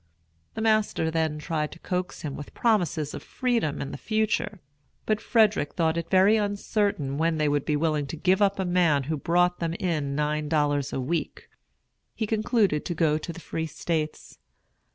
The master then tried to coax him with promises of freedom in the future; but Frederick thought it very uncertain when they would be willing to give up a man who brought them in nine dollars a week. He concluded to go to the Free States.